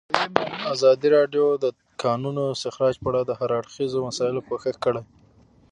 ازادي راډیو د د کانونو استخراج په اړه د هر اړخیزو مسایلو پوښښ کړی.